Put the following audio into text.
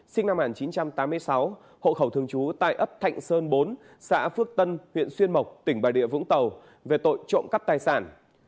sinh năm một nghìn chín trăm tám mươi sáu hộ khẩu thường trú tại ấp thạnh sơn bốn xã phước tân huyện xuyên mộc tỉnh bà địa vũng tàu về tội trộm cắp tài sản